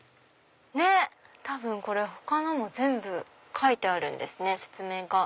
多分他のも全部書いてあるんですね説明が。